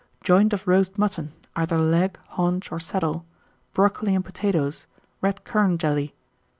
Joint of roast mutton, either leg, haunch, or saddle; brocoli and potatoes, red currant jelly.